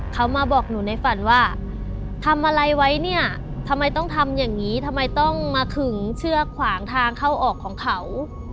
เขามาบอกหนูในฝันว่าทำอะไรไว้เนี่ยทำไมต้องทำอย่างนี้ทำไมต้องมาขึงเชือกขวางทางเข้าออกของเขา